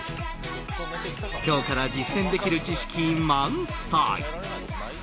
今日から実践できる知識満載！